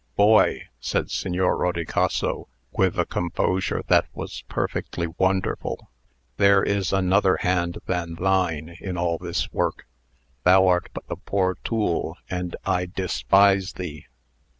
"Boy!" said Signor Rodicaso, with a composure that was perfectly wonderful, "there is another hand than thine in all this work. Thou art but the poor tool and I despise thee!"